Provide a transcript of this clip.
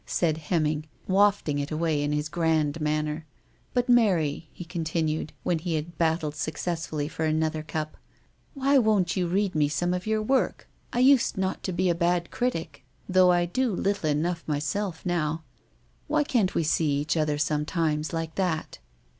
said Hemming, wafting it away in his grand manner. " But, Mary," he continued, when he had battled successfully for another cup, " why won't you read me some of your work ? I usn't to be a bad critic, though I do little enough myself now. Why can't we see other, sometimes, like that